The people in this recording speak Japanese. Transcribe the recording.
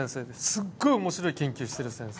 すっごい面白い研究している先生。